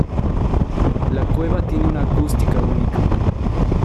La cueva tiene una acústica única.